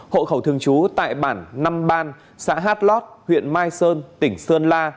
hộ khẩu thương chú tại bản năm ban xã hát lót huyện mai sơn tỉnh sơn la